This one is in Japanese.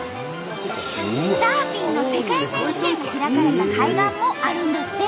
サーフィンの世界選手権が開かれた海岸もあるんだって。